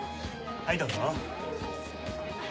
はいどうぞ。